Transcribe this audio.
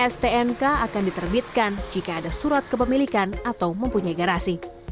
stnk akan diterbitkan jika ada surat kepemilikan atau mempunyai garasi